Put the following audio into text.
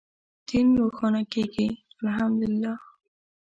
دین روښانه کېږي الحمد لله.